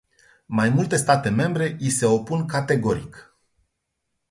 Mai multe state membre i se opun categoric.